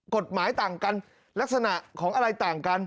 กฎหมายต่างกันลักษณะของอะไรต่างกัน